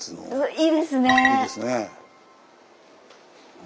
いいですね。